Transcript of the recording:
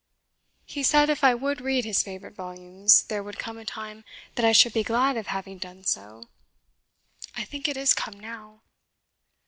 He said, if I would read his favourite volumes, there would come a time that I should be glad of having done so. I think it is come now."